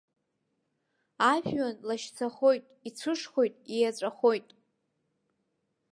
Ажәҩан лашьцахоит, ицәышхоит, иеҵәахоит.